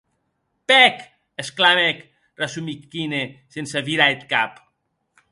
Pèc!, exclamèc Rasumikhine sense virar eth cap.